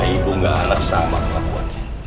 ibu gak alat sama kelakuan